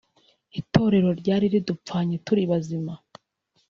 itorero ryari ridupfanye turi bazima